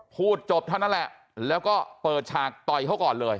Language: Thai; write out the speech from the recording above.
พูดจบเท่านั้นแหละแล้วก็เปิดฉากต่อยเขาก่อนเลย